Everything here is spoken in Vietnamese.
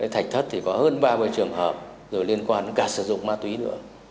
thạch thất thì có hơn ba mươi trường hợp rồi liên quan đến cả sử dụng ma túy nữa